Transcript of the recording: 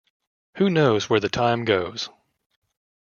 Who Knows Where the Time Goes?